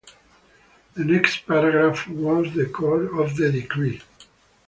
The next paragraph was the core of the decree.